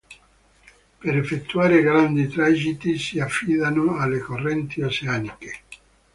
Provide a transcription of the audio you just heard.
Per effettuare grandi tragitti, si affidano alle correnti oceaniche.